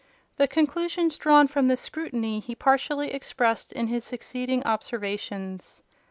The conclusions drawn from this scrutiny he partially expressed in his succeeding observations.